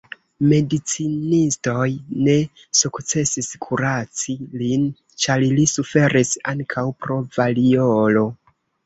Medicinistoj ne sukcesis kuraci lin, ĉar li suferis ankaŭ pro variolo.